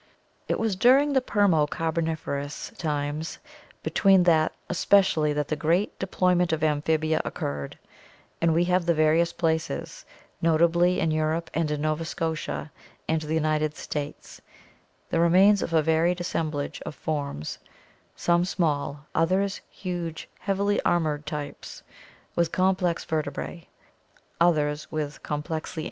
It was during Permo Carboniferous times especially that the great deploy ment of amphibia occurred, and we have from various places, notably in Europe and in Nova Scotia and the United States, the remains of a varied assemblage of forms, some small, others huge heavily armored types with com ' plex vertebra;, others with complexly „„